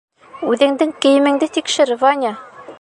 Үҙеңдең кейемеңде тикшер, Ваня!